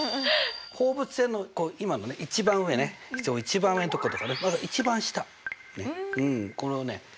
放物線の今のね一番上ね一番上のとことか一番下これをね